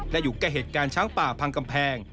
และอยู่ใกล้เหตุการณ์ช้างป่าพังกำแพง